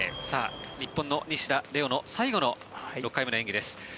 日本の西田玲雄の最後の６回目の演技です。